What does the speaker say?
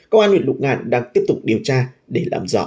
công an huyện lục ngạn đang tiếp tục điều tra để làm rõ vụ việc này